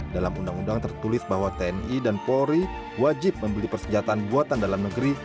dalam undang undang tertulis bahwa tni dan polri wajib membeli persenjataan buatan dalam negeri